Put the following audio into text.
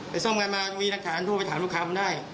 ซ่อมกันมามีรักฐานโทรไปถามลูกค้าผมได้